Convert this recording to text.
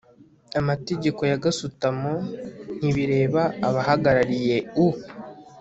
amategeko ya gasutamo ntibireba abahagarariye u